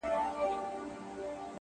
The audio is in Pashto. يوه شار ته دې د سرو سونډو زکات ولېږه _